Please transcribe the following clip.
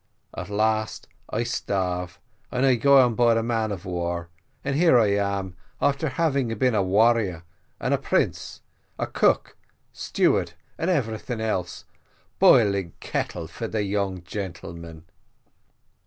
At last I starve, and I go on board man of war, and here I am, after having been a warrior and a prince, cook, steward and everyting else, boiling kettle for de young gentlemen."